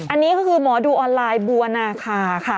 อันนี้ก็คือหมอดูออนไลน์บัวนาคาค่ะ